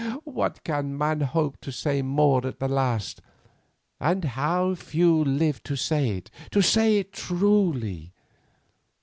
What can man hope to say more at the last, and how few live to say it, to say it truly?